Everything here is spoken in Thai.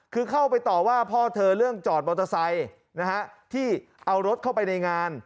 คือเข้าไปต่อว่าพ่อเธอเรื่องจอดมอเตอร์ไซค์ที่เอารถเข้าไปในงาน